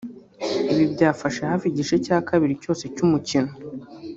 ibi byafashe hafi igice cya kabiri cyose cy’umukino